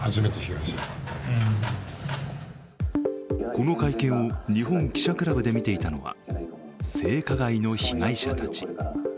この会見を日本記者クラブで見ていたのは性加害の被害者たち。